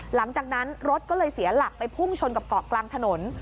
หลังจากนั้นรถก็เลยเสียหลักไปพุ่งชนกับเกาะกลางถนน